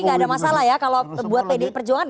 jadi gak ada masalah ya kalau buat pdi perjuangan